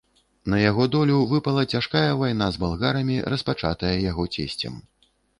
На яго долю выпала цяжкая вайна з балгарамі, распачатая яго цесцем.